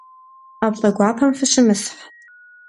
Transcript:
Ӏэплӏэ гуапэм фыщымысхь.